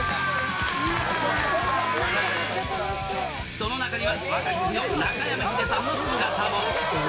その中には、若き日の中山ヒデさんの姿も。